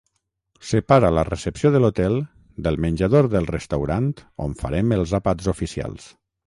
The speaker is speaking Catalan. Separa la recepció de l'hotel del menjador del restaurant on farem els àpats oficials.